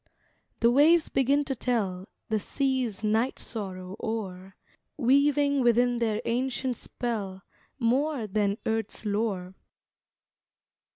The waves begin to tell The sea's night sorrow o'er, Weaving within their ancient spell More Than earth's lore.